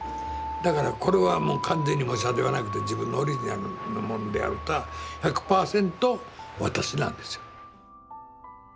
だからこれはもう完全に模写ではなくて自分のオリジナルのもんであるとは１００％私なんですよ。